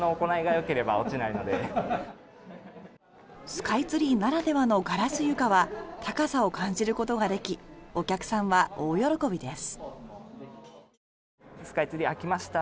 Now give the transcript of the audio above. スカイツリーならではのガラス床は高さを感じることができお客さんは大喜びです。